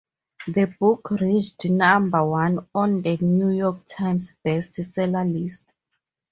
The book reached number one on "The New York Times" Best Seller list.